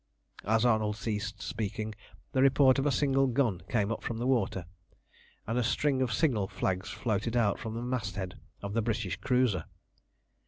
As Arnold ceased speaking, the report of a single gun came up from the water, and a string of signal flags floated out from the masthead of the British cruiser.